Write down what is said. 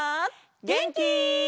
げんき？